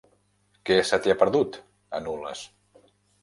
Què se t'hi ha perdut, a Nules?